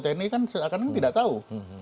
tni kan seakan kan tidak tahu